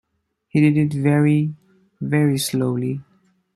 He did it very, very slowly.